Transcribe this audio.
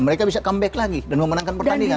mereka bisa comeback lagi dan memenangkan pertandingan